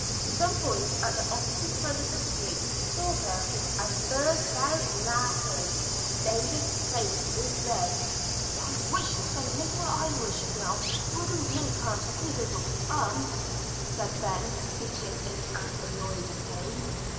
Some boys at the opposite side of the street saw her and burst out laughing. David's face grew red. "I wish the little Irish girl wouldn't make us figures of fun," said Ben, speaking in an annoyed tone.